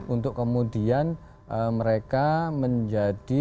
untuk kemudian mereka menjadi